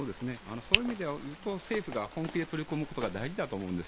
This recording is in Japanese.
そういう意味で言うと政府が本気で取り組むことが大事だと思います。